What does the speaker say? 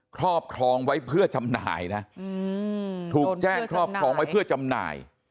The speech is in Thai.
ครอบครองไว้เพื่อจำหน่ายนะถูกแจ้งครอบครองไว้เพื่อจำหน่าย